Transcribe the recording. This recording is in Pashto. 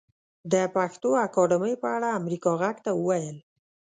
د پښتو اکاډمۍ په اړه امريکا غږ ته وويل